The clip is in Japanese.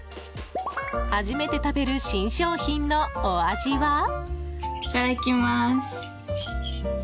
初めて食べる新商品のお味は？